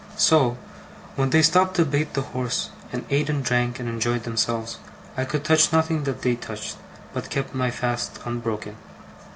So, when they stopped to bait the horse, and ate and drank and enjoyed themselves, I could touch nothing that they touched, but kept my fast unbroken.